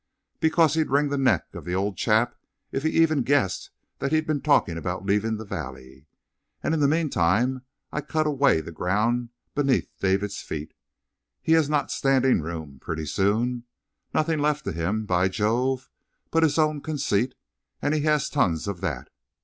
Because he'd wring the neck of the old chap if he even guessed that he'd been talking about leaving the valley. And in the meantime I cut away the ground beneath David's feet. He has not standing room, pretty soon. Nothing left to him, by Jove, but his own conceit, and he has tons of that!